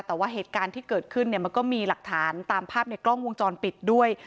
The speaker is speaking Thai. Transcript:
แต่ว่าเหตุการณ์ที่เกิดขึ้นเนี่ยมันก็มีหลักฐานตามภาพในกล้องวงจรปิดด้วย